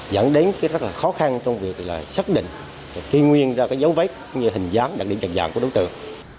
dẫn đến rất khó khăn trong việc xác định khi nguyên ra dấu vết như hình dáng đặc điểm trần dạng của đối tượng